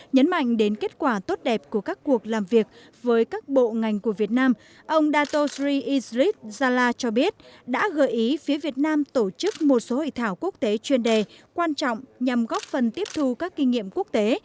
nhấn mạnh đến kết quả tốt đẹp của các cuộc làm việc với các bộ ngành của việt nam ông datosri izrid zala cho biết đã gợi ý phía việt nam tổ chức một số hội thảo quốc tế chuyên đề quan trọng nhằm góp phần tiếp thu các kinh nghiệm quốc tế